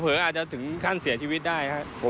อาจจะถึงขั้นเสียชีวิตได้ครับ